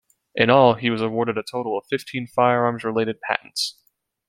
In all, he was awarded a total of fifteen firearms-related patents.